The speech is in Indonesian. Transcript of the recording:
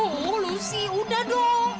oh lucy udah dong